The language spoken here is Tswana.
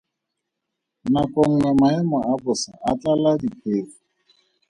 Nako nngwe maemo a bosa a tlala diphefo.